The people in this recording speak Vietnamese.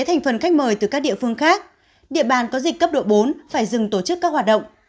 thành phần khách mời từ các địa phương khác địa bàn có dịch cấp độ bốn phải dừng tổ chức các hoạt động